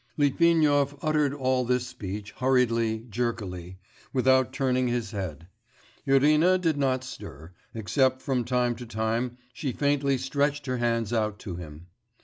Litvinov uttered all this speech hurriedly, jerkily, without turning his head. Irina did not stir, except from time to time she faintly stretched her hands out to him.